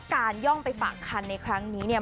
ย่องไปฝากคันในครั้งนี้เนี่ย